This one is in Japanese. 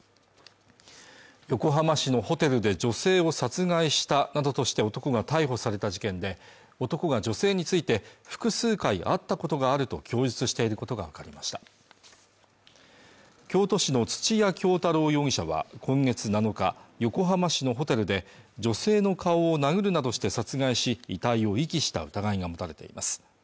横浜市のホテルで女性を殺害したなどとして男が逮捕された事件で男が女性について複数回会ったことがあると供述していることが分かりました京都市の土屋京多郎容疑者は今月７日横浜市のホテルで女性の顔を殴るなどして殺害し遺体を遺棄した疑いが持たれています